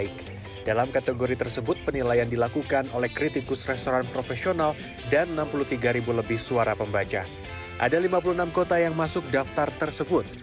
enam kota yang masuk daftar tersebut